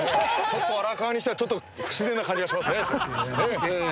荒川にしてはちょっと不自然な感じがしますね。